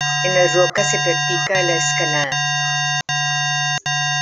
En las rocas se practica la escalada.